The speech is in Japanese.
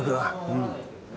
うん。